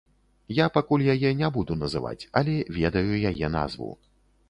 Я пакуль яе не буду называць, але ведаю яе назву.